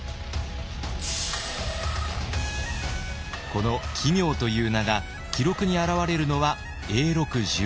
この「奇妙」という名が記録に表れるのは永禄１２年。